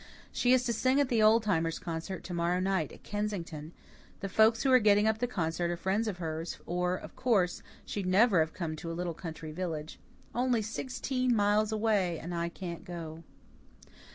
She is to sing at the Old Timers' concert to morrow night at Kensington. The folks who are getting the concert up are friends of hers, or, of course, she'd never have come to a little country village. Only sixteen miles away and I can't go."